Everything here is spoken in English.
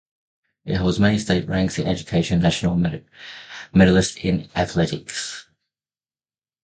It holds many state ranks in education and National medalist in athletics.